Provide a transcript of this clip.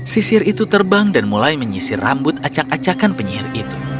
sisir itu terbang dan mulai menyisir rambut acak acakan penyihir itu